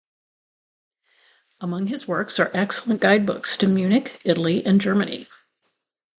Among his works are excellent guide books to Munich, Italy, and Germany.